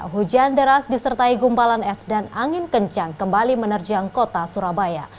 hujan deras disertai gumpalan es dan angin kencang kembali menerjang kota surabaya